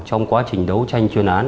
trong quá trình đấu tranh chuyên án